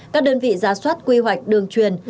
các đơn vị giá soát quy hoạch đường truyền